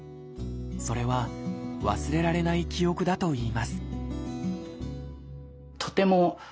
それは忘れられない記憶だといいます